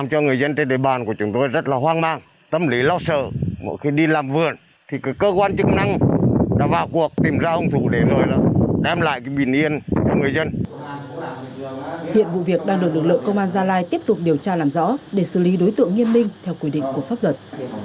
hiện vụ việc đang được lực lượng công an gia lai tiếp tục điều tra làm rõ để xử lý đối tượng nghiêm minh theo quy định của pháp luật